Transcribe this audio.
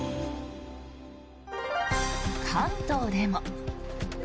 関東でも。